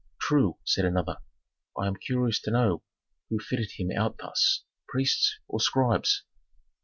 "True," said another. "I am curious to know who fitted him out thus: priests, or scribes?"